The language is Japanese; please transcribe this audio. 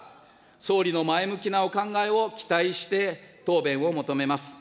総理の前向きなお考えを期待して、答弁を求めます。